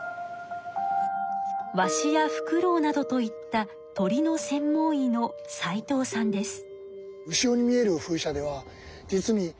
ワシやフクロウなどといった鳥の専門医の齊藤さんです。